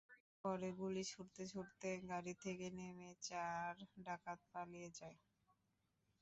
পরে গুলি ছুড়তে ছুড়তে গাড়ি থেকে নেমে চার ডাকাত পালিয়ে যায়।